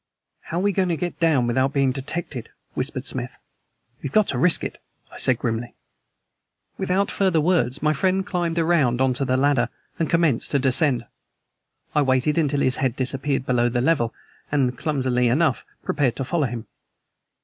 "How are we going to get down without being detected?" whispered Smith. "We've got to risk it," I said grimly. Without further words my friend climbed around on to the ladder and commenced to descend. I waited until his head disappeared below the level, and, clumsily enough, prepared to follow him.